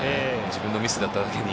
自分のミスだっただけに。